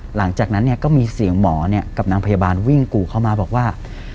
หลังจากนั้นเนี่ยก็มีเสียงหมอกับนางพยาบาลวิ่งกู่เข้ามาบอกว่า